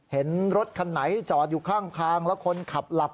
เห็นรถคันไหนจอดอยู่ข้างทางแล้วคนขับหลับ